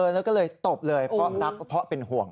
แล้วก็เลยตบเลยเพราะเป็นห่วง